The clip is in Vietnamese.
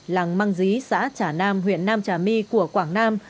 làng măng dí xã trà nam huyện nam trà my của quảng nam